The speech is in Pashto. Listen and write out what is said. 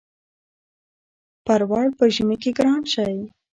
پروړ په ژمی کی ګران شی.